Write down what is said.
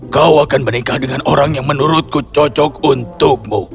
kau akan menikah dengan orang yang menurutku cocok untukmu